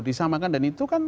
disamakan dan itu kan